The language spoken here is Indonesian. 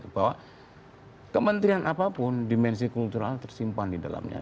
bahwa kementerian apapun dimensi kultural tersimpan di dalamnya